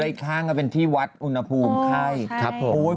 แล้วอีกครั้งก็เป็นที่วัดอุณหภูมิไข้